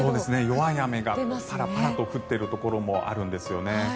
弱い雨がパラパラと降っているところもあるんですよね。